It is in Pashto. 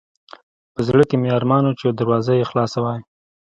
په زړه کې مې ارمان و چې دروازه یې خلاصه وای.